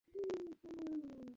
দয়া করে বাসটা থামাবেন?